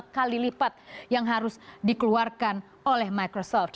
dua puluh lima kali lipat yang harus dikeluarkan oleh microsoft